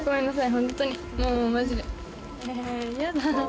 ホントにもうマジでやだ